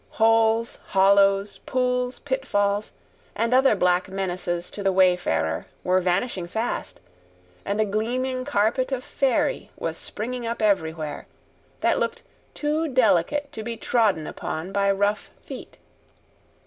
Holes, hollows, pools, pitfalls, and other black menaces to the wayfarer were vanishing fast, and a gleaming carpet of faery was springing up everywhere, that looked too delicate to be trodden upon by rough feet.